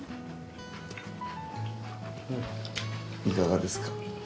いかがですか？